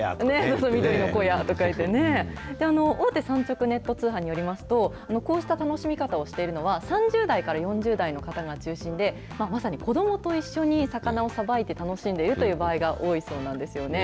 そう、緑の子や、みたいに言って大手産直ネット通販によりますと、こうした楽しみ方をしているのは３０代から４０代の方が中心で、まさに子どもと一緒に魚をさばいて楽しんでいるという場合が多いそうなんですよね。